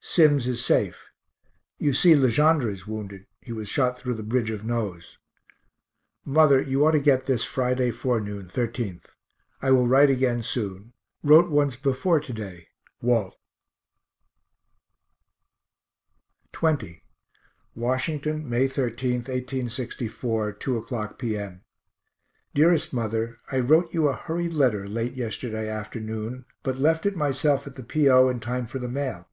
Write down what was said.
Sims is safe. You see Le Gendre is wounded he was shot through the bridge of nose. Mother, you ought to get this Friday forenoon, 13th. I will write again soon. Wrote once before to day. WALT. XX Washington, May 13, 1864, 2 o'clock p. m. DEAREST MOTHER I wrote you a hurried letter late yesterday afternoon but left it myself at the P. O. in time for the mail.